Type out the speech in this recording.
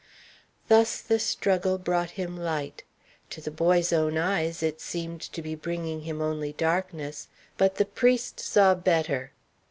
Thus the struggle brought him light. To the boy's own eyes it seemed to be bringing him only darkness, but the priest saw better.